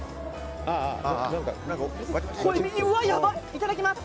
いただきます！